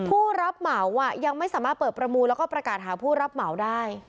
ผู้รับเหมายังไม่สามารถเปิดประมูลแล้วก็ประกาศหาผู้รับเหมาได้